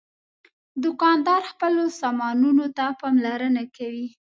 دوکاندار خپلو سامانونو ته پاملرنه کوي.